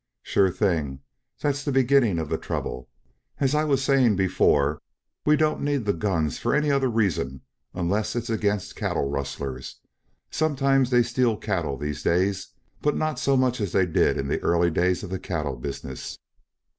"Sure thing. That's the beginning of the trouble. As I was saying before, we don't need the guns for any other reason unless it's against cattle rustlers. Sometimes they steal cattle these days, but not so much as they did in the early days of the cattle business."